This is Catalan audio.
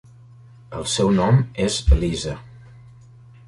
El seu nom és Elisa.